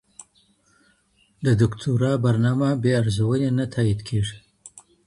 د دوکتورا برنامه بې ارزوني نه تایید کیږي.